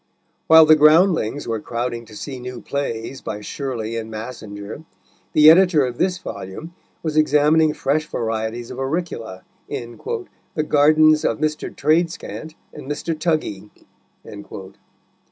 While the groundlings were crowding to see new plays by Shirley and Massinger, the editor of this volume was examining fresh varieties of auricula in "the gardens of Mr. Tradescant and Mr. Tuggie."